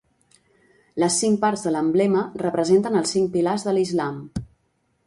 Les cinc parts de l'emblema representen els cinc pilars de l'islam.